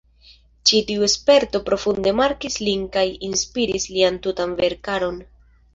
Ĉi tiu sperto profunde markis lin kaj inspiris lian tutan verkaron.